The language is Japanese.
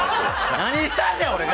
何したんじゃ、俺が！